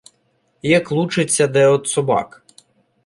Як лучиться де од собак.